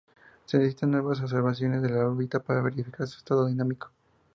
Se necesitan nuevas observaciones de la órbita para verificar su estado dinámico.